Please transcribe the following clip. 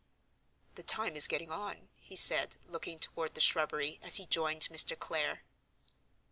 "The time is getting on," he said, looking toward the shrubbery, as he joined Mr. Clare.